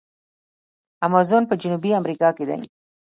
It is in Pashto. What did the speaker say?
امازون په جنوبي امریکا کې دی.